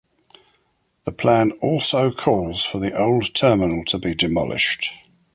The plan also calls for the old terminal to be demolished.